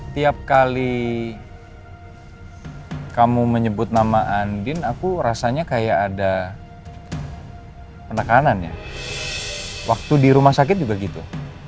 tiap kali kamu menyebut nama andin aku rasanya kayak ada penekanan ya waktu di rumah sakit juga gitu